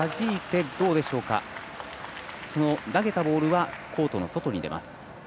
投げたボールはコートの外に出ます。